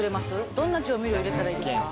どんな調味料入れたらいいですか？